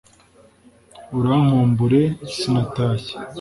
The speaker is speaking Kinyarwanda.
urankumbure sinatashye,